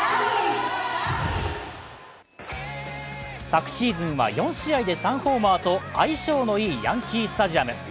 昨シーズンは４試合で３ホーマーと相性のいいヤンキースタジアム。